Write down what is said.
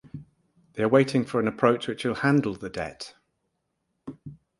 They are waiting for an approach which will handle the debt.